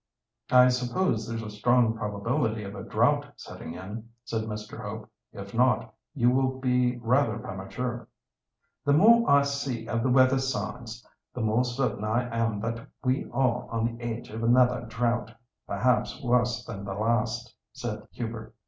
"I suppose there's a strong probability of a drought setting in," said Mr. Hope; "if not, you will be rather premature." "The more I see of the weather signs, the more certain I am that we are on the edge of another drought, perhaps worse than the last," said Hubert.